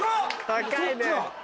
高いね。